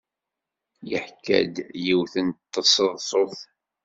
Yeḥka-d yiwet n tseḍsut.